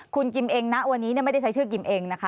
คุณกิมเองนะวันนี้ไม่ได้ใช้ชื่อกิมเองนะคะ